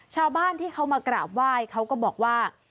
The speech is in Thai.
ชาวบ้านที่เขามากราบไหว้เขาก็บอกว่า